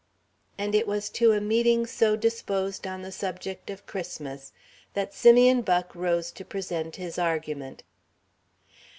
And it was to a meeting so disposed on the subject of Christmas that Simeon Buck rose to present his argument.